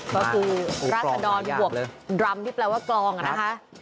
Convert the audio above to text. ก็คือราศดรบวกรัมที่แปลว่ากลองอ่ะนะคะ